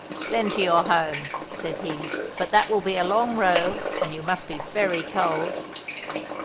"Then to your home," said he. "But that will be a long row, and you must be very cold."